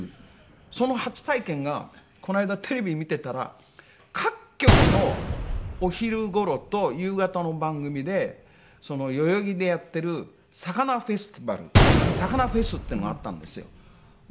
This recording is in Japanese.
その初体験がこの間テレビ見てたら各局のお昼頃と夕方の番組で代々木でやってる「魚フェスティバル」「魚フェス」っていうのがあったんですよ。